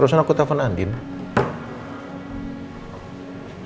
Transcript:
pokoknya gitu hunshi itu pak